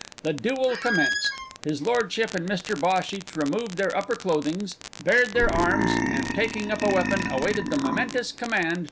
The duel commenced. His lordship and Mr Bhosh each removed their upper clothings, bared their arms, and, taking up a weapon, awaited the momentous command to fire.